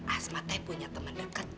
asma teh punya teman dekat